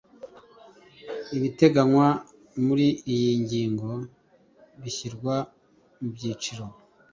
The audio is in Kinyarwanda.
ibiteganywa muri iyi ngingo bishyirwa mubyiciro.